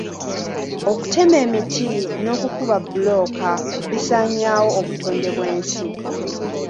Okutema emiti n'okukuba bbulooka bisaanyaawo obutonde bw'ensi.